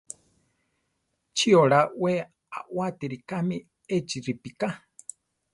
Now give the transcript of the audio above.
¿Chi oláa we awátiri káme échi ripíká?